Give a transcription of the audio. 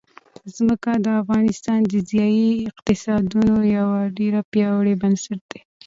ځمکه د افغانستان د ځایي اقتصادونو یو ډېر پیاوړی بنسټ دی.